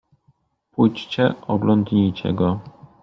"Pójdźcie oglądnijcie go."